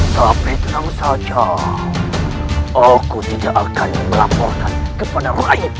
tapi tenang saja aku tidak akan melaporkan kepada rakyat